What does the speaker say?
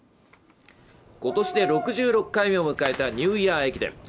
今年で６６回目を迎えたニューイヤー駅伝。